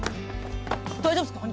大丈夫っすか！？